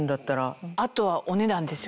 あとはお値段ですよね。